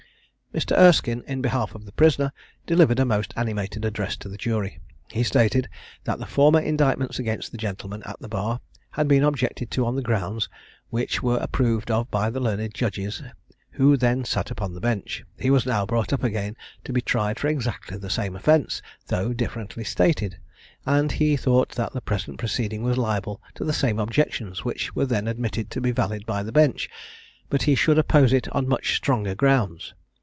Mr. Erskine, in behalf of the prisoner, delivered a most animated address to the jury. He stated, that the former indictments against the gentleman at the bar had been objected to on grounds which were approved of by the learned judges who then sat upon the bench. He was now brought up again to be tried for exactly the same offence, though differently stated; and he thought that the present proceeding was liable to the same objections which were then admitted to be valid by the bench; but he should oppose it on much stronger grounds.